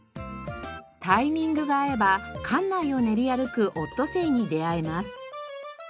タイミングが合えば館内を練り歩くオットセイに出会えます。